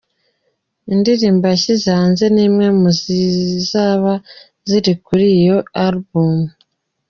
Indirimbo yashyize hanze ni imwe mu zizaba ziri kuri iyo album.